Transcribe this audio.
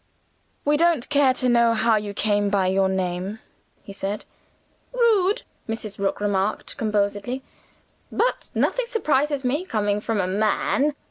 "We don't care to know how you came by your name," he said. "Rude," Mrs. Rook remarked, composedly. "But nothing surprises me, coming from a man."